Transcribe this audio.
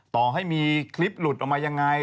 ต่อให้มีคลิปหลุดออกมายังไง